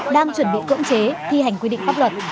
đang chuẩn bị cưỡng chế thi hành quy định pháp luật